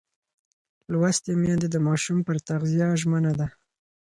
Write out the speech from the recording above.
لوستې میندې د ماشوم پر تغذیه ژمنه ده.